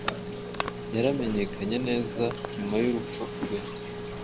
yaramenyekanye neza nyuma yurupfu rwe